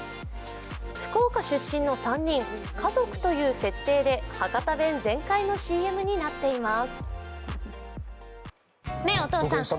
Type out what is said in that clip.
福岡出身の３人、家族という設定で博多弁全開のＣＭになっています。